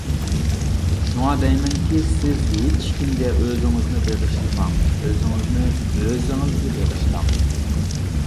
شۇڭا، دەيمەنكى، سىز ھېچكىمگە ئۆزىڭىزنى بېغىشلىماڭ، ئۆزىڭىزنى ئۆزىڭىزگە بېغىشلاڭ.